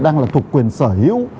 đang là thuộc quyền sở hữu